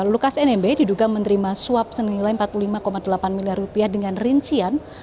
lukas nmb diduga menerima suap senilai rp empat puluh lima delapan miliar rupiah dengan rincian